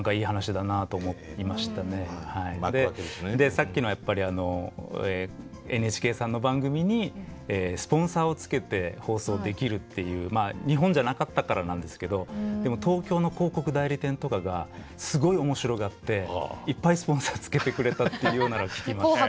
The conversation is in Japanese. さっきのＮＨＫさんの番組にスポンサーをつけて放送できるっていうまあ日本じゃなかったからなんですけど東京の広告代理店とかがすごい面白がっていっぱいスポンサーつけてくれたっていうようなのを聞きました。